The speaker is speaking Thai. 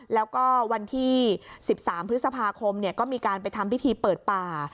แล้วก็วันที่๑๓พฤษภาคมก็มีการไปทำพิธีเปิดป่า